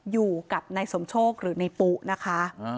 อยู่กับนายสมโชคหรือในปุ๊นะคะ